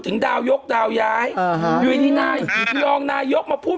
ถึงดาวยกดาวย้ายอ่าฮะอยู่ที่นายที่รองนายกมาพูด